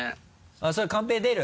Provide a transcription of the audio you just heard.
それはカンペ出る？